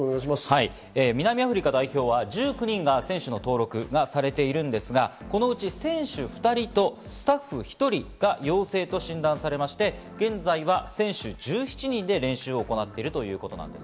南アフリカ代表は１９人が選手の登録がされているんですが、このうち選手２人とスタッフ１人が陽性と診断されまして、現在は選手１７人で練習を行っているということなんです。